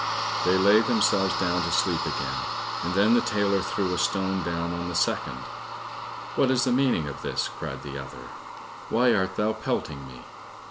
They laid themselves down to sleep again, and then the tailor threw a stone down on the second. "What is the meaning of this?" cried the other. "Why art thou pelting me?"